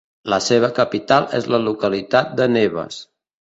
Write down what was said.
La seva capital és la localitat de Neves.